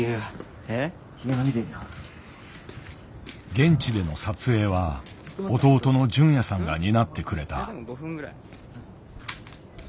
現地での撮影は弟の隼也さんが担ってくれた。